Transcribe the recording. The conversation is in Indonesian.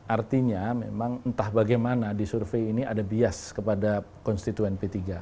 artinya memang entah bagaimana di survei ini ada bias kepada konstituen p tiga